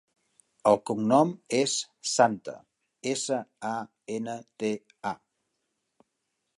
El cognom és Santa: essa, a, ena, te, a.